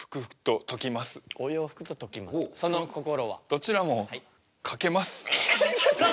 どちらもかけます。